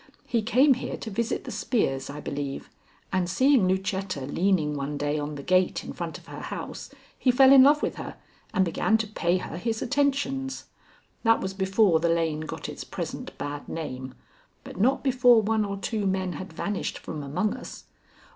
He came here to visit the Spears, I believe, and seeing Lucetta leaning one day on the gate in front of her house, he fell in love with her and began to pay her his attentions. That was before the lane got its present bad name, but not before one or two men had vanished from among us.